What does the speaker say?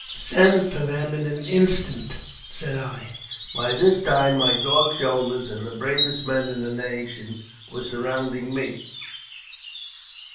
" Send for them in an instant," said I. By this time my Dog Soldiers, the bravest men in the nation, were surrounding me.